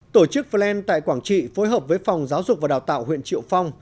tổ chức flen tại quảng trị phối hợp với phòng giáo dục và đào tạo huyện triệu phong